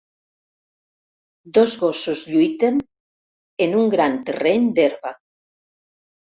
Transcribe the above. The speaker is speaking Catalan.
Dos gossos lluiten en un gran terreny d'herba.